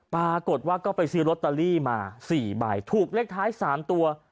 ปรากฏว่าก็ไปซื้อลอตเตอรี่มา๔ใบถูกเลขท้าย๓ตัว